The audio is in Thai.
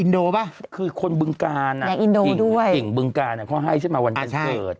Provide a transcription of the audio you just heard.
แล้วก็หงิกบึงกานะเขาให้ฉันมาวันบันเกิด